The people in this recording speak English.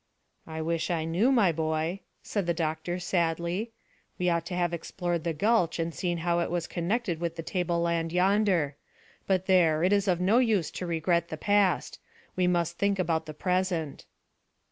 "I wish I knew, my boy," said the doctor sadly. "We ought to have explored the gulch and seen how it was connected with the tableland yonder. But there, it is of no use to regret the past; we must think about the present."